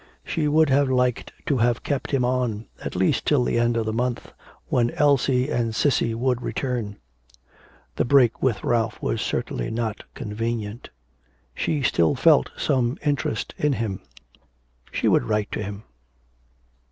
She would have liked to have kept him on, at least till the end of the month, when Elsie and Cissy would return. The break with Ralph was certainly not convenient. She still felt some interest in him. She would write to him.